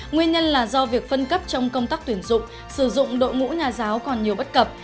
nguyên nhân là do việc phân cấp trong công tác tuyển dụng sử dụng đội ngũ nhà giáo còn nhiều bất cập